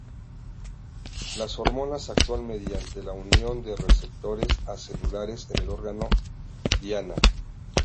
Las hormonas actúan mediante la unión a receptores celulares en el órgano diana.